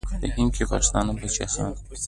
په هند کې پښتانه پاچاهان وو.